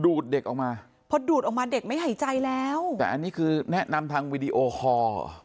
เด็กออกมาพอดูดออกมาเด็กไม่หายใจแล้วแต่อันนี้คือแนะนำทางวีดีโอคอร์